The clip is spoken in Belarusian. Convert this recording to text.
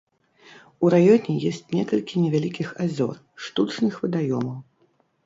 У раёне ёсць некалькі невялікіх азёр, штучных вадаёмаў.